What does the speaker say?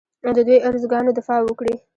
د دوی ارزوګانو دفاع وکړي